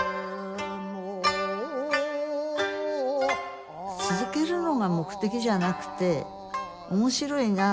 続けるのが目的じゃなくて面白いなと思って。